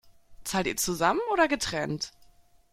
Zahlt ihr zusammen oder getrennt?